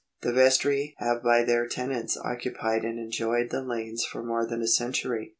The vestry have by their tenants occupied and enjoyed the lanes for more than a century."